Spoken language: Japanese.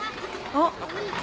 あっ。